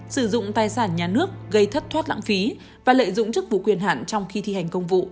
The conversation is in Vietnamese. sử dụng tài sản nhà nước gây thất thoát lãng phí và lợi dụng chức vụ quyền hạn trong khi thi hành công vụ